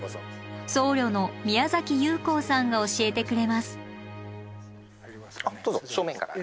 僧侶の宮崎有弘さんが教えてくれます。